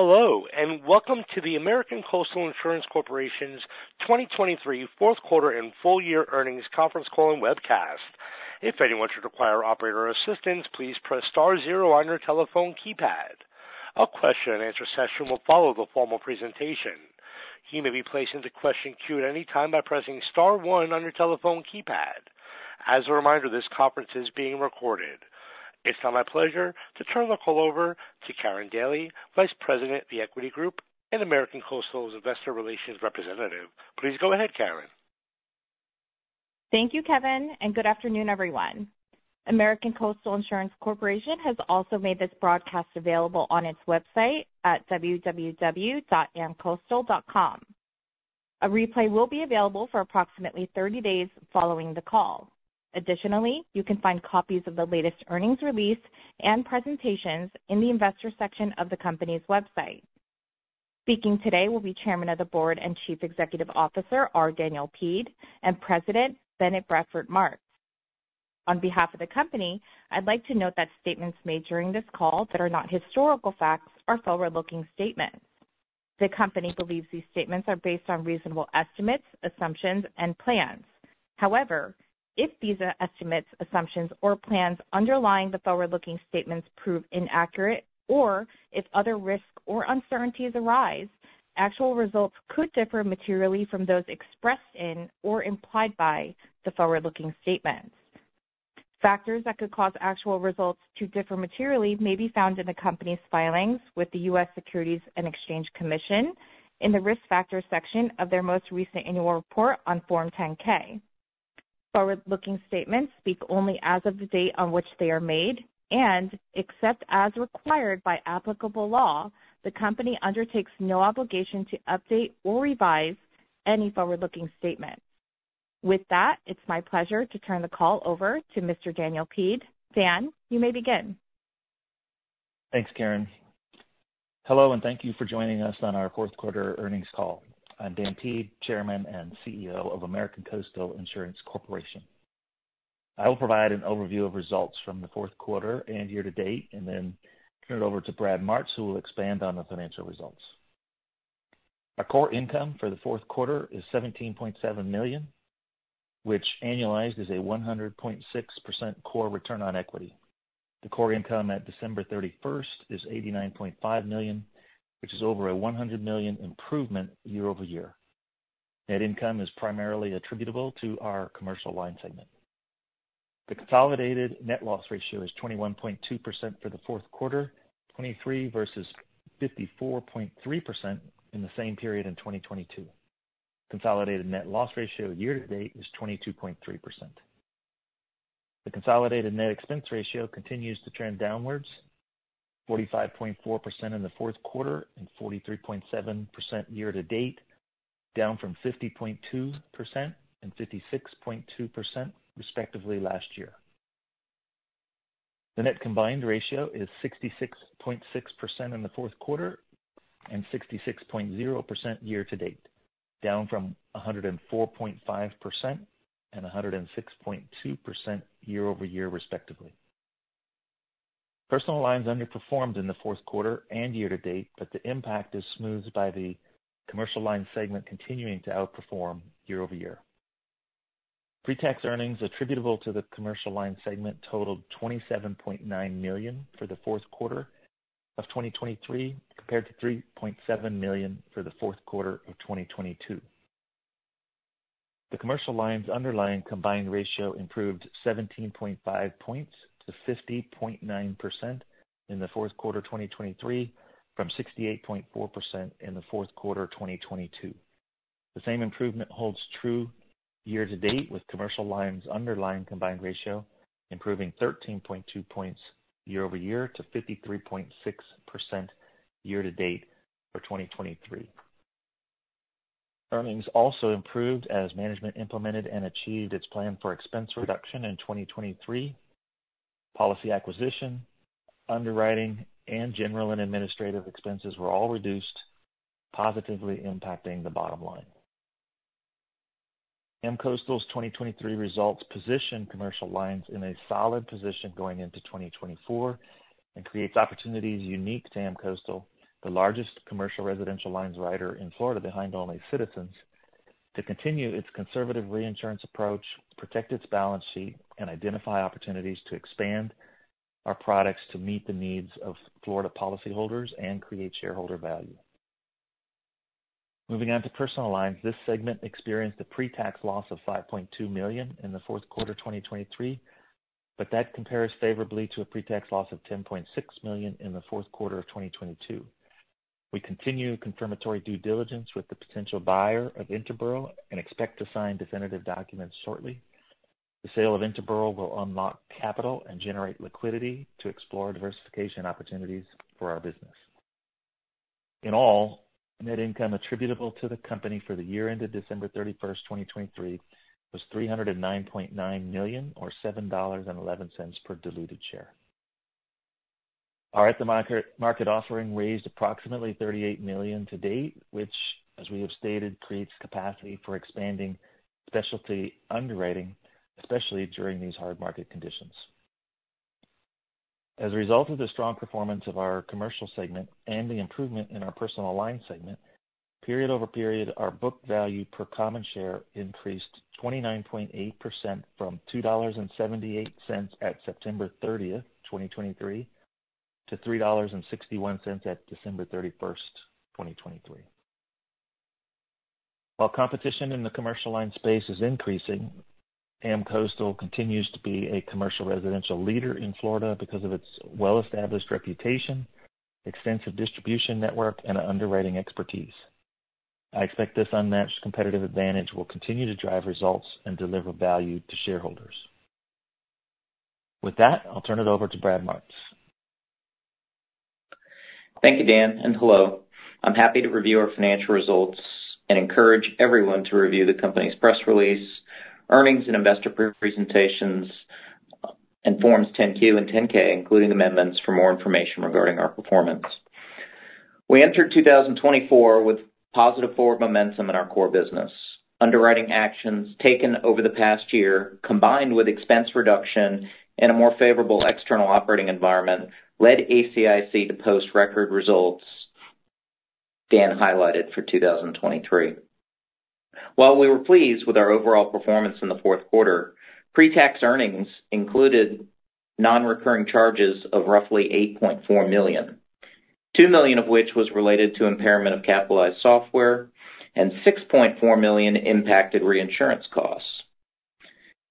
Hello, and welcome to the American Coastal Insurance Corporation's 2023 Fourth Quarter and Full Year Earnings Conference Call and Webcast. If anyone should require operator assistance, please press star zero on your telephone keypad. A question-and-answer session will follow the formal presentation. You may be placed into question queue at any time by pressing star one on your telephone keypad. As a reminder, this conference is being recorded. It's now my pleasure to turn the call over to Karin Daly, Vice President of the Equity Group and American Coastal's Investor Relations Representative. Please go ahead, Karin. Thank you, Kevin, and good afternoon, everyone. American Coastal Insurance Corporation has also made this broadcast available on its website at www.amcoastal.com. A replay will be available for approximately 30 days following the call. Additionally, you can find copies of the latest earnings release and presentations in the investor section of the company's website. Speaking today will be Chairman of the Board and Chief Executive Officer, R. Daniel Peed, and President, Bennett Bradford Martz. On behalf of the company, I'd like to note that statements made during this call that are not historical facts are forward-looking statements. The company believes these statements are based on reasonable estimates, assumptions, and plans. However, if these estimates, assumptions, or plans underlying the forward-looking statements prove inaccurate or if other risks or uncertainties arise, actual results could differ materially from those expressed in or implied by the forward-looking statements. Factors that could cause actual results to differ materially may be found in the company's filings with the U.S. Securities and Exchange Commission in the Risk Factors section of their most recent annual report on Form 10-K. Forward-looking statements speak only as of the date on which they are made, and except as required by applicable law, the company undertakes no obligation to update or revise any forward-looking statement. With that, it's my pleasure to turn the call over to Mr. Daniel Peed. Dan, you may begin. Thanks, Karin. Hello, and thank you for joining us on our Fourth Quarter Earnings Call. I'm Dan Peed, Chairman and CEO of American Coastal Insurance Corporation. I will provide an overview of results from the fourth quarter and year to date, and then turn it over to Brad Martz, who will expand on the financial results. Our core income for the fourth quarter is $17.7 million, which annualized is a 100.6% core return on equity. The core income at December 31 is $89.5 million, which is over a $100 million improvement year over year. Net income is primarily attributable to our commercial line segment. The consolidated net loss ratio is 21.2% for the fourth quarter 2023 versus 54.3% in the same period in 2022. Consolidated net loss ratio year to date is 22.3%. The consolidated net expense ratio continues to trend downwards, 45.4% in the fourth quarter and 43.7% year to date, down from 50.2% and 56.2%, respectively, last year. The net combined ratio is 66.6% in the fourth quarter and 66.0% year to date, down from 104.5% and 106.2% year-over-year, respectively. Personal lines underperformed in the fourth quarter and year to date, but the impact is smoothed by the commercial lines segment continuing to outperform year-over-year. Pre-tax earnings attributable to the commercial lines segment totaled $27.9 million for the fourth quarter of 2023, compared to $3.7 million for the fourth quarter of 2022. The commercial lines' underlying combined ratio improved 17.5 points to 50.9% in the fourth quarter of 2023, from 68.4% in the fourth quarter of 2022. The same improvement holds true year-to-date, with commercial lines' underlying combined ratio improving 13.2 points year-over-year to 53.6% year-to-date for 2023. Earnings also improved as management implemented and achieved its plan for expense reduction in 2023. Policy acquisition, underwriting, and general and administrative expenses were all reduced, positively impacting the bottom line. AmCoastal's 2023 results position commercial lines in a solid position going into 2024 and creates opportunities unique to AmCoastal, the largest commercial residential lines writer in Florida, behind only Citizens, to continue its conservative reinsurance approach, protect its balance sheet, and identify opportunities to expand our products to meet the needs of Florida policyholders and create shareholder value. Moving on to personal lines, this segment experienced a pre-tax loss of $5.2 million in the fourth quarter of 2023, but that compares favorably to a pre-tax loss of $10.6 million in the fourth quarter of 2022. We continue confirmatory due diligence with the potential buyer of Interboro and expect to sign definitive documents shortly. The sale of Interboro will unlock capital and generate liquidity to explore diversification opportunities for our business. In all, net income attributable to the company for the year ended December 31, 2023, was $309.9 million, or $7.11 per diluted share. Our at-the-market offering raised approximately $38 million to date, which, as we have stated, creates capacity for expanding. Specialty underwriting, especially during these hard market conditions. As a result of the strong performance of our commercial segment and the improvement in our personal line segment, period-over-period, our book value per common share increased 29.8% from $2.78 at September 30, 2023, to $3.61 at December 31, 2023. While competition in the commercial line space is increasing, AmCoastal continues to be a commercial residential leader in Florida because of its well-established reputation, extensive distribution network, and underwriting expertise. I expect this unmatched competitive advantage will continue to drive results and deliver value to shareholders. With that, I'll turn it over to Brad Martz. Thank you, Dan, and hello. I'm happy to review our financial results and encourage everyone to review the company's press release, earnings and investor presentations, and Forms 10-Q and 10-K, including amendments, for more information regarding our performance. We entered 2024 with positive forward momentum in our core business. Underwriting actions taken over the past year, combined with expense reduction and a more favorable external operating environment, led ACIC to post record results Dan highlighted for 2023. While we were pleased with our overall performance in the fourth quarter, pre-tax earnings included non-recurring charges of roughly $8.4 million, $2 million of which was related to impairment of capitalized software and $6.4 million impacted reinsurance costs.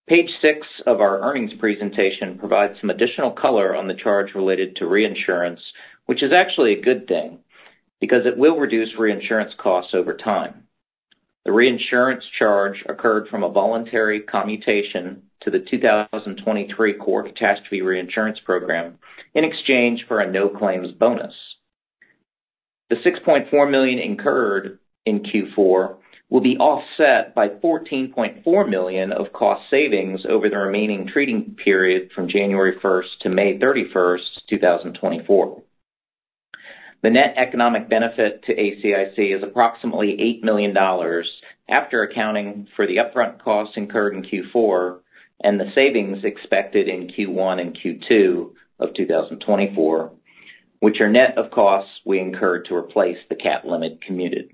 Page six of our earnings presentation provides some additional color on the charge related to reinsurance, which is actually a good thing, because it will reduce reinsurance costs over time. The reinsurance charge occurred from a voluntary commutation of the 2023 core catastrophe reinsurance program in exchange for a no-claims bonus. The $6.4 million incurred in Q4 will be offset by $14.4 million of cost savings over the remaining treaty period from January 1 to May 31, 2024. The net economic benefit to ACIC is approximately $8 million after accounting for the upfront costs incurred in Q4 and the savings expected in Q1 and Q2 of 2024, which are net of costs we incurred to replace the capacity limit commuted.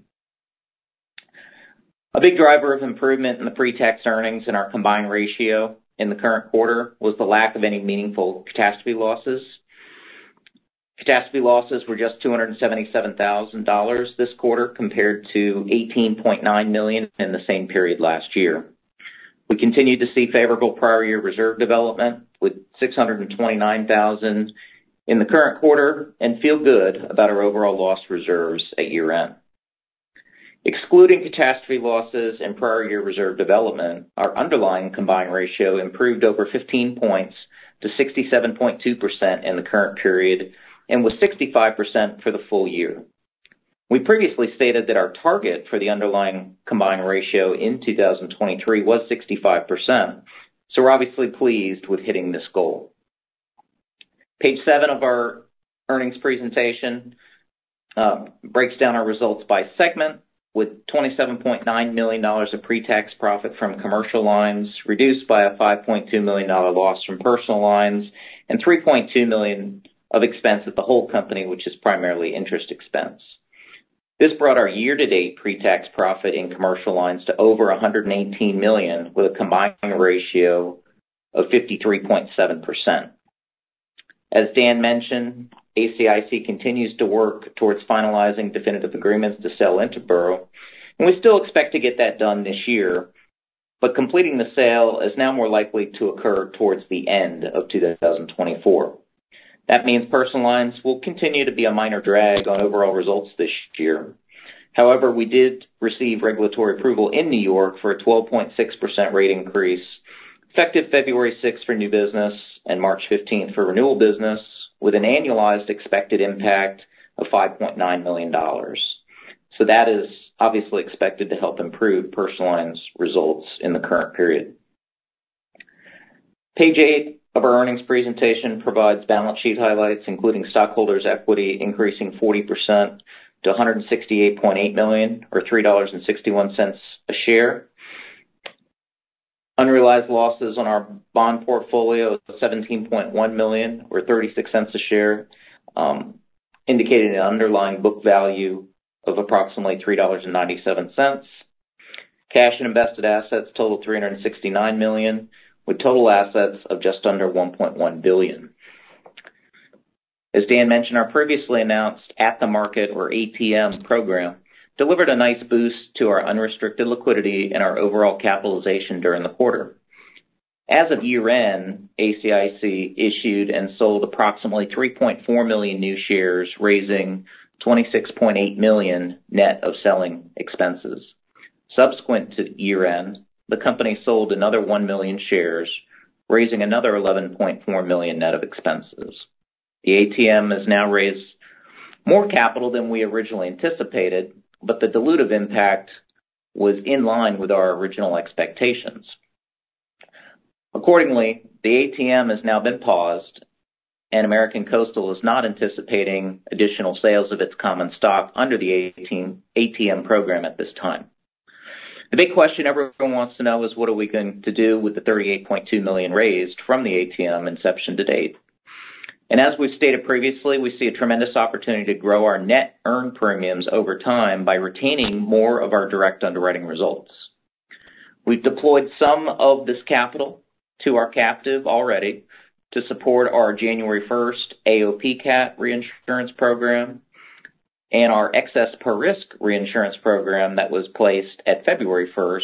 A big driver of improvement in the pre-tax earnings and our combined ratio in the current quarter was the lack of any meaningful catastrophe losses. Catastrophe losses were just $277,000 this quarter, compared to $18.9 million in the same period last year. We continued to see favorable prior year reserve development, with $629,000 in the current quarter, and feel good about our overall loss reserves at year-end. Excluding catastrophe losses and prior year reserve development, our underlying combined ratio improved over 15 points to 67.2% in the current period, and was 65% for the full year. We previously stated that our target for the underlying combined ratio in 2023 was 65%, so we're obviously pleased with hitting this goal. Page seven of our earnings presentation breaks down our results by segment, with $27.9 million of pre-tax profit from commercial lines, reduced by a $5.2 million loss from personal lines, and $3.2 million of expense at the whole company, which is primarily interest expense. This brought our year-to-date pre-tax profit in commercial lines to over $118 million, with a combined ratio of 53.7%. As Dan mentioned, ACIC continues to work towards finalizing definitive agreements to sell Interboro, and we still expect to get that done this year, but completing the sale is now more likely to occur towards the end of 2024. That means personal lines will continue to be a minor drag on overall results this year. However, we did receive regulatory approval in New York for a 12.6% rate increase, effective February 6 for new business and March 15 for renewal business, with an annualized expected impact of $5.9 million. So that is obviously expected to help improve personal lines results in the current period. Page 8 of our earnings presentation provides balance sheet highlights, including stockholders' equity, increasing 40% to $168.8 million, or $3.61 a share. Unrealized losses on our bond portfolio of $17.1 million, or 36 cents a share, indicated an underlying book value of approximately $3.97. Cash and invested assets total $369 million, with total assets of just under $1.1 billion. As Dan mentioned, our previously announced At the Market, or ATM program, delivered a nice boost to our unrestricted liquidity and our overall capitalization during the quarter. As of year-end, ACIC issued and sold approximately 3.4 million new shares, raising $26.8 million net of selling expenses. Subsequent to year-end, the company sold another 1 million shares, raising another $11.4 million net of expenses. The ATM has now raised more capital than we originally anticipated, but the dilutive impact was in line with our original expectations. Accordingly, the ATM has now been paused, and American Coastal is not anticipating additional sales of its common stock under the 2018 ATM program at this time. The big question everyone wants to know is what are we going to do with the $38.2 million raised from the ATM inception to date? As we've stated previously, we see a tremendous opportunity to grow our net earned premiums over time by retaining more of our direct underwriting results. We've deployed some of this capital to our captive already to support our January 1 AOP CAT reinsurance program and our excess per risk reinsurance program that was placed at February 1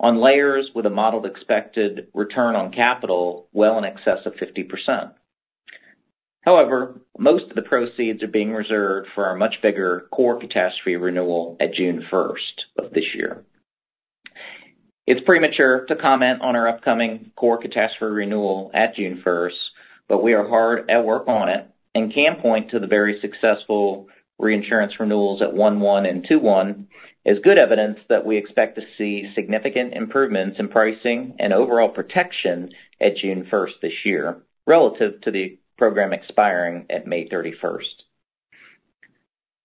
on layers with a modeled expected return on capital well in excess of 50%. However, most of the proceeds are being reserved for our much bigger core catastrophe renewal at June 1 of this year. It's premature to comment on our upcoming core catastrophe renewal at June 1, but we are hard at work on it and can point to the very successful reinsurance renewals at 1/1 and 2/1 as good evidence that we expect to see significant improvements in pricing and overall protection at June 1 this year, relative to the program expiring at May 31.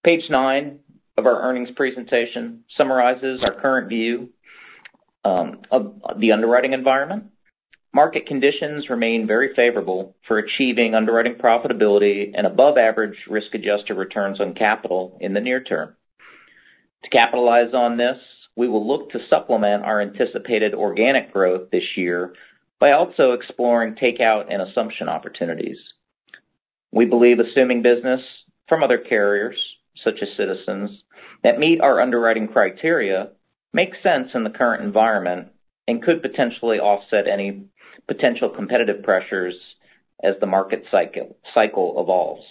Page 9 of our earnings presentation summarizes our current view of the underwriting environment. Market conditions remain very favorable for achieving underwriting profitability and above average risk-adjusted returns on capital in the near term. To capitalize on this, we will look to supplement our anticipated organic growth this year by also exploring takeout and assumption opportunities. We believe assuming business from other carriers, such as Citizens, that meet our underwriting criteria, makes sense in the current environment and could potentially offset any potential competitive pressures as the market cycle evolves.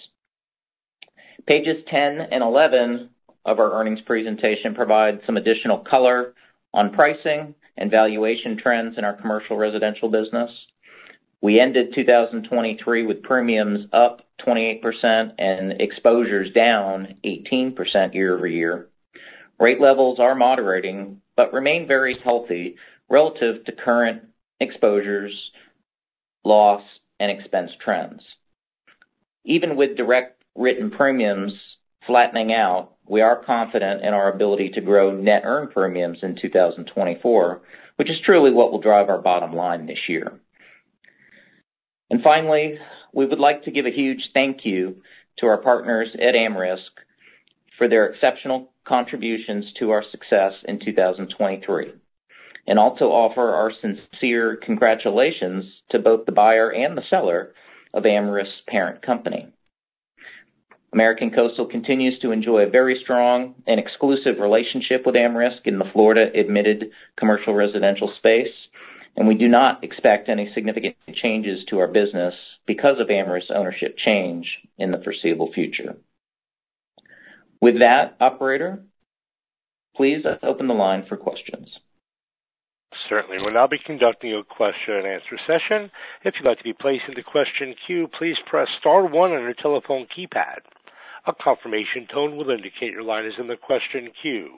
Pages 10 and 11 of our earnings presentation provide some additional color on pricing and valuation trends in our commercial residential business. We ended 2023 with premiums up 28% and exposures down 18% year-over-year. Rate levels are moderating, but remain very healthy relative to current exposures, loss, and expense trends. Even with direct written premiums flattening out, we are confident in our ability to grow net earned premiums in 2024, which is truly what will drive our bottom line this year. And finally, we would like to give a huge thank you to our partners at AmRisc for their exceptional contributions to our success in 2023, and also offer our sincere congratulations to both the buyer and the seller of AmRisc's parent company. American Coastal continues to enjoy a very strong and exclusive relationship with AmRisc in the Florida admitted commercial residential space, and we do not expect any significant changes to our business because of AmRisc's ownership change in the foreseeable future. With that, operator, please, let's open the line for questions. Certainly. We'll now be conducting a question-and-answer session. If you'd like to be placed in the question queue, please press star one on your telephone keypad. A confirmation tone will indicate your line is in the question queue.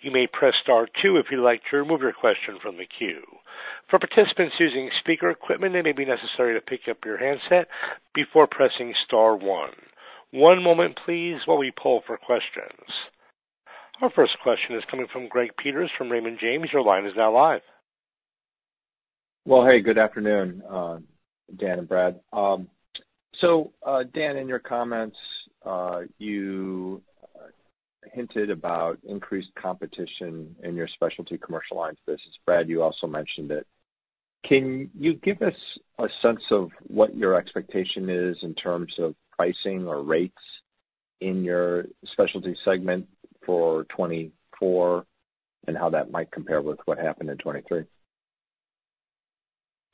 You may press star two if you'd like to remove your question from the queue. For participants using speaker equipment, it may be necessary to pick up your handset before pressing star one. One moment please, while we poll for questions. Our first question is coming from Greg Peters from Raymond James. Your line is now live. Well, hey, good afternoon, Dan and Brad. Dan, in your comments, you hinted about increased competition in your specialty commercial lines business. Brad, you also mentioned it. Can you give us a sense of what your expectation is in terms of pricing or rates in your specialty segment for 2024, and how that might compare with what happened in 2023?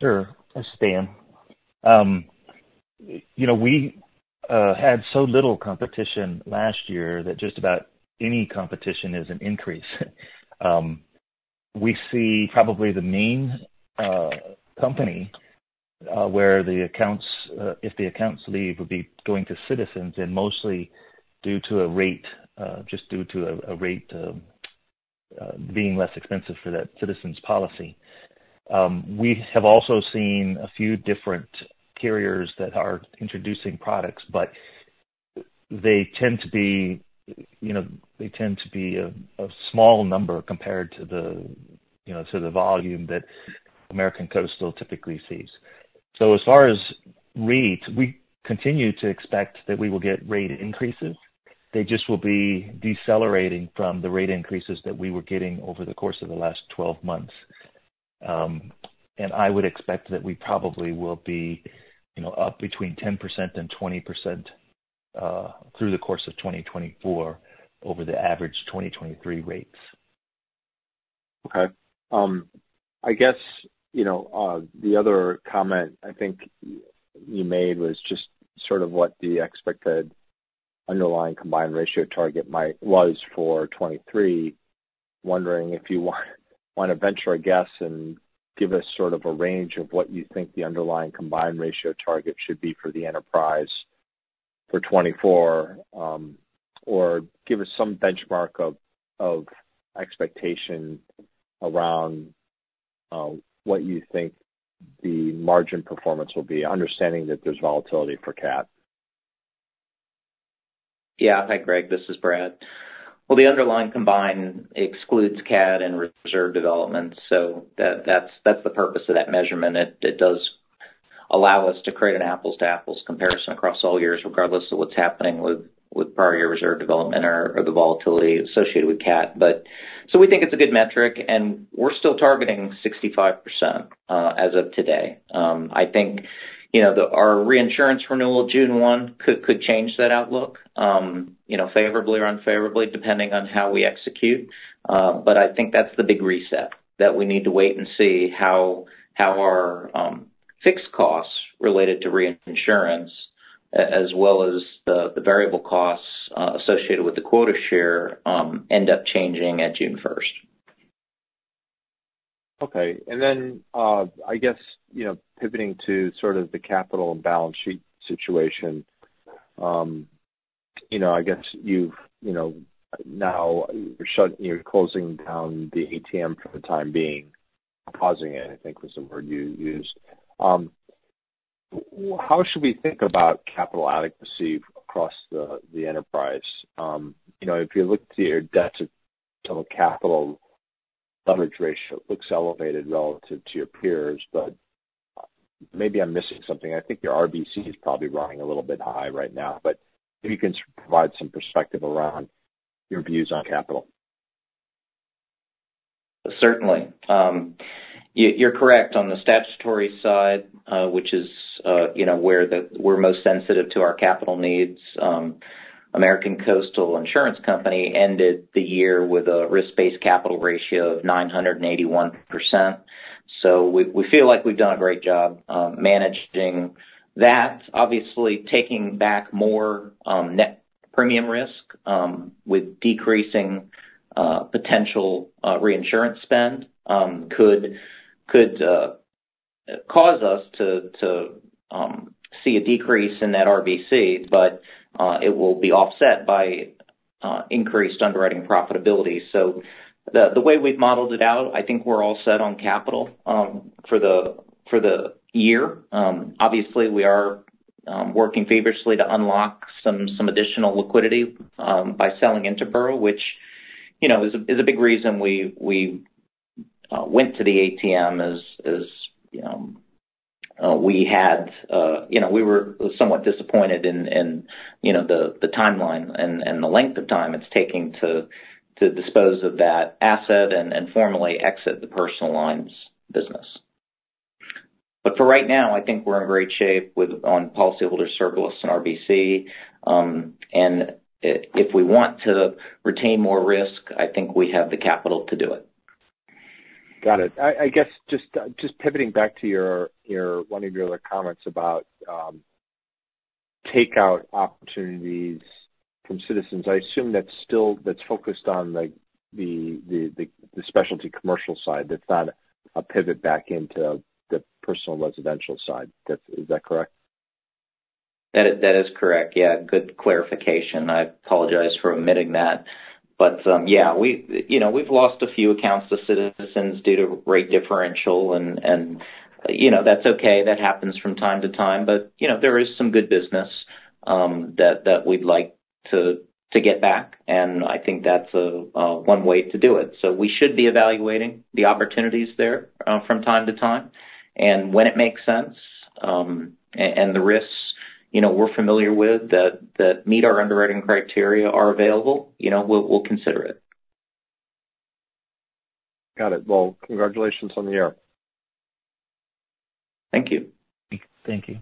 Sure. This is Dan. You know, we had so little competition last year that just about any competition is an increase. We see probably the main company where the accounts, if the accounts leave, would be going to Citizens and mostly due to a rate, just due to a rate being less expensive for that Citizens policy. We have also seen a few different carriers that are introducing products, but they tend to be, you know, they tend to be a small number compared to the, you know, to the volume that American Coastal typically sees. So as far as rates, we continue to expect that we will get rate increases. They just will be decelerating from the rate increases that we were getting over the course of the last 12 months. I would expect that we probably will be, you know, up between 10% and 20% through the course of 2024 over the average 2023 rates. Okay. I guess, you know, the other comment I think you made was just sort of what the expected Underlying Combined Ratio target might—was for 2023. Wondering if you want to venture a guess and give us sort of a range of what you think the Underlying Combined Ratio target should be for the enterprise? For 2024, or give us some benchmark of expectation around what you think the margin performance will be, understanding that there's volatility for CAT? Yeah. Hi, Greg, this is Brad. Well, the underlying combined excludes CAT and reserve development, so that's the purpose of that measurement. It does allow us to create an apples to apples comparison across all years, regardless of what's happening with prior reserve development or the volatility associated with CAT. But so we think it's a good metric, and we're still targeting 65% as of today. I think, you know, our reinsurance renewal, June 1, could change that outlook, you know, favorably or unfavorably, depending on how we execute. But I think that's the big reset, that we need to wait and see how our fixed costs related to reinsurance, as well as the variable costs associated with the quota share, end up changing at June 1. Okay. And then, I guess, you know, pivoting to sort of the capital and balance sheet situation. You know, I guess you've, you know, now you're closing down the ATM for the time being, pausing it, I think, was the word you used. How should we think about capital adequacy across the enterprise? You know, if you look to your debt to capital coverage ratio, it looks elevated relative to your peers, but maybe I'm missing something. I think your RBC is probably running a little bit high right now, but if you can provide some perspective around your views on capital. Certainly. You're correct. On the statutory side, which is, you know, where we're most sensitive to our capital needs, American Coastal Insurance Company ended the year with a risk-based capital ratio of 981%. So we feel like we've done a great job managing that. Obviously, taking back more net premium risk with decreasing potential reinsurance spend could cause us to see a decrease in that RBC, but it will be offset by increased underwriting profitability. So the way we've modeled it out, I think we're all set on capital for the year. Obviously, we are working vigorously to unlock some additional liquidity by selling Interboro, which, you know, is a big reason we went to the ATM as we had. You know, we were somewhat disappointed in, you know, the timeline and the length of time it's taking to dispose of that asset and formally exit the personal lines business. But for right now, I think we're in great shape on policyholder surplus and RBC. And if we want to retain more risk, I think we have the capital to do it. Got it. I guess just pivoting back to your one of your other comments about takeout opportunities from Citizens. I assume that's still that's focused on, like, the specialty commercial side. That's not a pivot back into the personal residential side. Is that correct? That is, that is correct. Yeah, good clarification. I apologize for omitting that. But yeah, we, you know, we've lost a few accounts to Citizens due to rate differential, and you know, that's okay. That happens from time to time. But you know, there is some good business that we'd like to get back, and I think that's one way to do it. So we should be evaluating the opportunities there from time to time. And when it makes sense and the risks, you know, we're familiar with that meet our underwriting criteria are available, you know, we'll consider it. Got it. Well, congratulations on the year. Thank you. Thank you.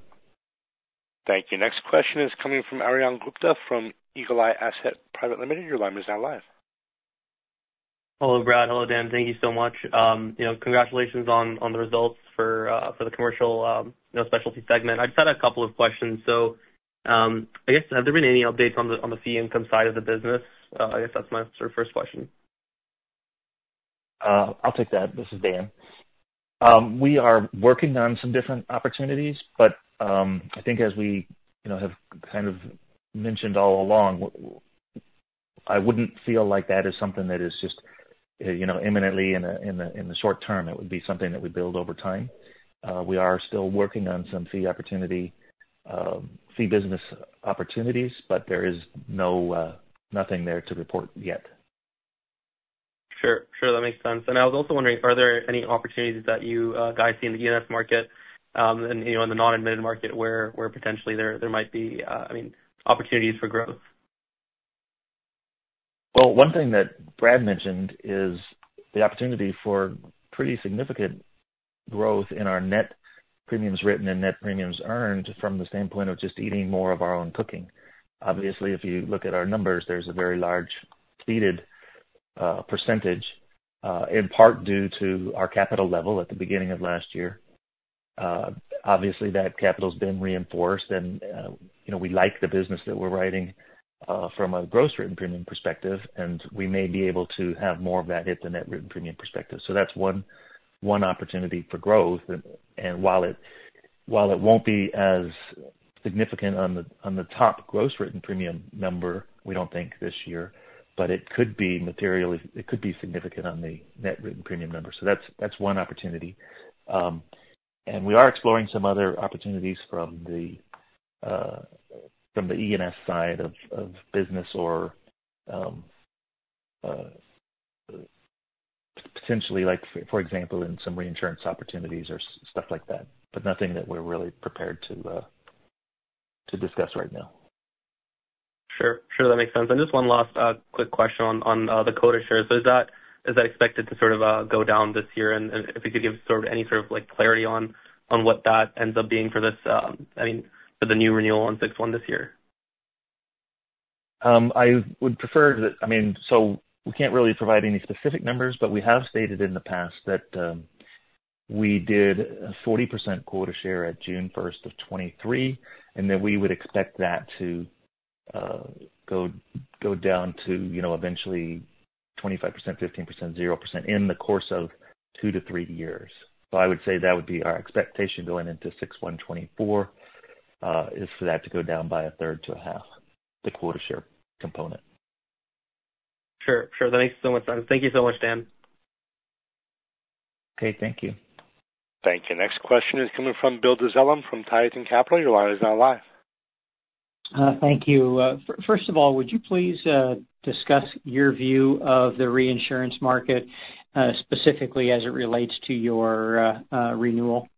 Thank you. Next question is coming from Aryann Gupta from Eagle Eye Asset Private Limited. Your line is now live. Hello, Brad. Hello, Dan. Thank you so much. You know, congratulations on, on the results for, for the commercial, you know, specialty segment. I just had a couple of questions. So, I guess, have there been any updates on the, on the fee income side of the business? I guess that's my sort of first question. I'll take that. This is Dan. We are working on some different opportunities, but I think as we, you know, have kind of mentioned all along, I wouldn't feel like that is something that is just, you know, imminently in the short term. It would be something that we build over time. We are still working on some fee opportunity, fee business opportunities, but there is nothing there to report yet. Sure. Sure, that makes sense. I was also wondering, are there any opportunities that you, guys see in the E&S market, and, you know, in the non-admitted market, where potentially there might be, I mean, opportunities for growth? Well, one thing that Brad mentioned is the opportunity for pretty significant growth in our net premiums written and net premiums earned from the standpoint of just eating more of our own cooking. Obviously, if you look at our numbers, there's a very large ceded percentage, in part due to our capital level at the beginning of last year. Obviously, that capital's been reinforced and, you know, we like the business that we're writing from a gross written premium perspective, and we may be able to have more of that at the net written premium perspective. So that's one opportunity for growth. And while it won't be as significant on the top gross written premium number, we don't think this year, but it could be materially—it could be significant on the net written premium number. So that's one opportunity. And we are exploring some other opportunities from the E&S side of business or potentially, like, for example, in some reinsurance opportunities or stuff like that, but nothing that we're really prepared to discuss right now. Sure. Sure, that makes sense. And just one last quick question on the quota shares. Is that expected to sort of go down this year? And if you could give sort of any sort of, like, clarity on what that ends up being for this, I mean, for the new renewal on 6/1 this year. I would prefer that. So we can't really provide any specific numbers, but we have stated in the past that we did a 40% quota share at June 1, 2023, and that we would expect that to go down to, you know, eventually 25%, 15%, 0%, in the course of 2-3 years. So I would say that would be our expectation going into June 1, 2024, is for that to go down by a third to a half, the quota share component. Sure, sure. That makes so much sense. Thank you so much, Dan. Okay, thank you. Thank you. Next question is coming from Bill Dezellem from Tieton Capital. Your line is now live. Thank you. First of all, would you please discuss your view of the reinsurance market, specifically as it relates to your renewal,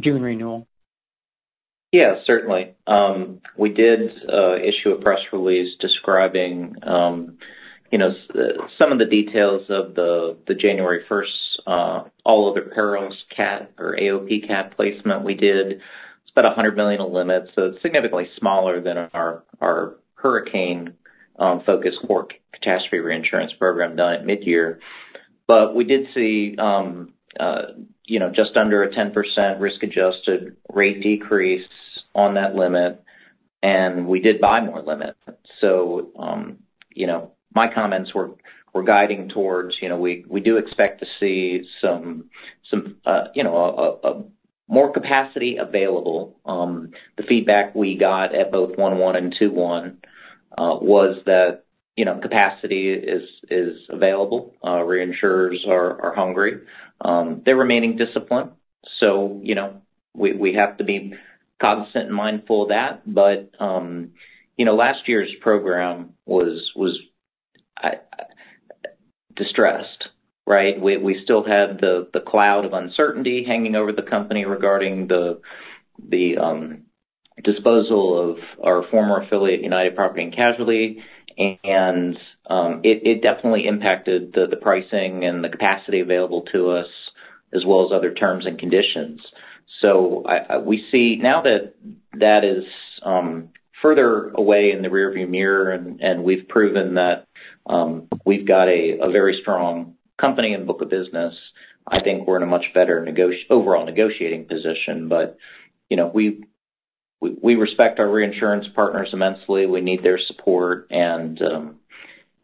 June renewal? Yeah, certainly. We did issue a press release describing, you know, some of the details of the January 1 all other perils CAT or AOP CAT placement we did. It's about $100 million in limits, so it's significantly smaller than our hurricane-focused for catastrophe reinsurance program done at mid-year. But we did see, you know, just under a 10% risk-adjusted rate decrease on that limit, and we did buy more limit. So, you know, my comments were guiding towards, you know, we do expect to see some more capacity available. The feedback we got at both 1/1 and 2/1 was that, you know, capacity is available. Reinsurers are hungry. They're remaining disciplined, so, you know, we have to be cognizant and mindful of that. But, you know, last year's program was distressed, right? We still had the cloud of uncertainty hanging over the company regarding the disposal of our former affiliate, United Property and Casualty, and it definitely impacted the pricing and the capacity available to us, as well as other terms and conditions. So we see now that that is further away in the rearview mirror, and we've proven that we've got a very strong company and book of business, I think we're in a much better overall negotiating position. But, you know, we respect our reinsurance partners immensely. We need their support, and,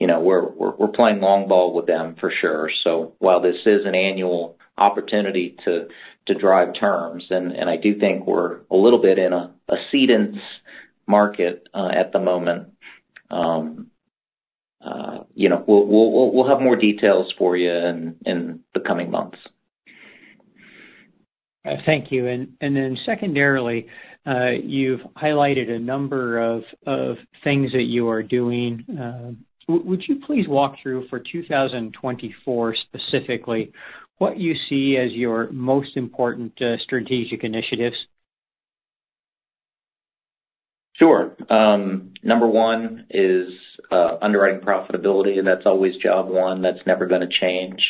you know, we're playing long ball with them for sure. So while this is an annual opportunity to drive terms, and I do think we're a little bit in a cedent's market at the moment. You know, we'll have more details for you in the coming months. Thank you. And then secondarily, you've highlighted a number of things that you are doing. Would you please walk through, for 2024 specifically, what you see as your most important strategic initiatives? Sure. Number one is underwriting profitability, and that's always job one. That's never gonna change.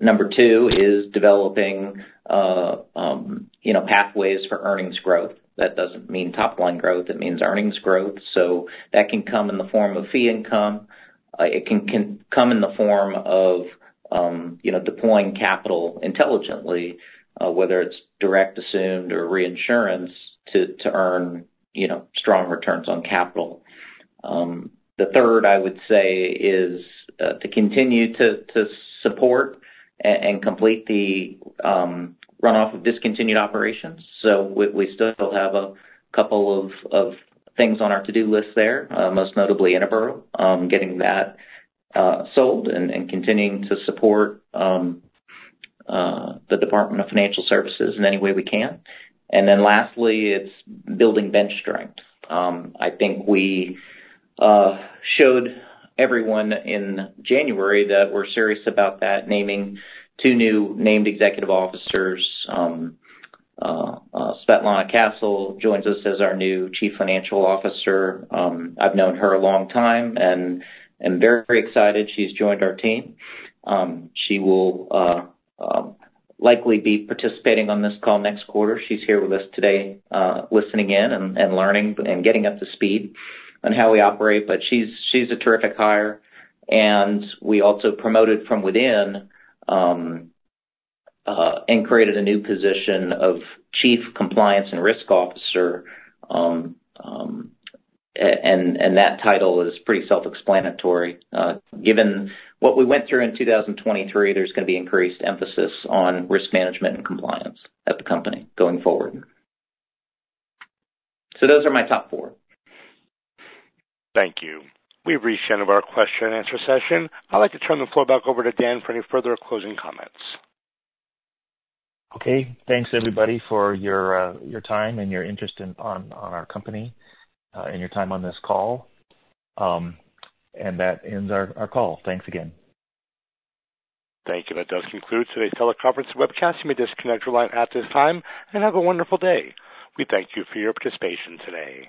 Number two is developing you know, pathways for earnings growth. That doesn't mean top-line growth, it means earnings growth. So that can come in the form of fee income, it can come in the form of you know, deploying capital intelligently, whether it's direct, assumed or reinsurance to earn you know, strong returns on capital. The third, I would say, is to continue to support and complete the runoff of discontinued operations. So we still have a couple of things on our to-do list there, most notably Interboro, getting that sold and continuing to support the Department of Financial Services in any way we can. And then lastly, it's building bench strength. I think we showed everyone in January that we're serious about that, naming two new named executive officers. Svetlana Castle joins us as our new Chief Financial Officer. I've known her a long time and I'm very excited she's joined our team. She will likely be participating on this call next quarter. She's here with us today, listening in and learning and getting up to speed on how we operate. But she's a terrific hire, and we also promoted from within and created a new position of Chief Compliance and Risk Officer. That title is pretty self-explanatory. Given what we went through in 2023, there's gonna be increased emphasis on risk management and compliance at the company going forward. Those are my top four. Thank you. We've reached the end of our question and answer session. I'd like to turn the floor back over to Dan for any further closing comments. Okay. Thanks, everybody, for your time and your interest in our company, and your time on this call. And that ends our call. Thanks again. Thank you. That does conclude today's teleconference webcast. You may disconnect your line at this time, and have a wonderful day. We thank you for your participation today.